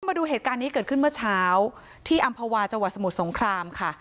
มาดูเหตุการณ์นี้เกิดขึ้นเมื่อเช้าที่อำภาวาจังหวัดสมุทรสงครามค่ะ